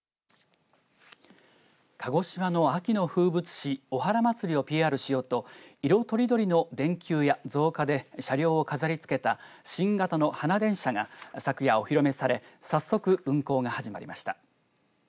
鹿児島の秋の風物詩おはら祭をＰＲしようと色とりどりの電球や造花で車両を飾りつけた新型の花電車が昨夜お披露目され早速、運行が始まりました。